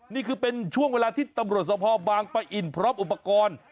นี่คือเป็นช่วงเวลาที่ตำรวจสภบางปะอินพร้อมอุปกรณ์